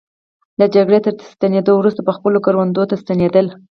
له جګړې تر ستنېدو وروسته به خپلو کروندو ته ستنېدل.